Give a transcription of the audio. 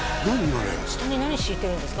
あれ下に何敷いてるんですか？